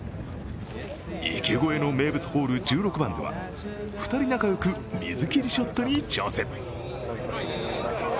池越えの名物ホール１６番では２人仲良く水切りショットに挑戦。